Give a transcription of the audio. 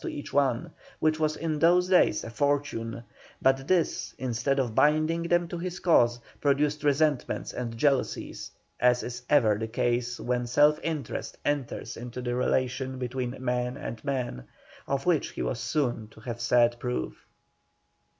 to each one which was in those days a fortune; but this, instead of binding them to his cause, produced resentments and jealousies, as is ever the case when self interest enters into the relations between man and man, of which he was soon to have sad proof.